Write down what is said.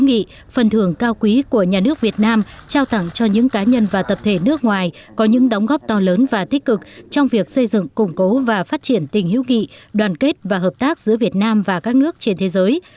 nhà nước việt nam trao tặng cho những cá nhân và tập thể nước ngoài có những đóng góp to lớn và tích cực trong việc xây dựng củng cố và phát triển tình hữu kỵ đoàn kết và hợp tác giữa việt nam và các nước trên thế giới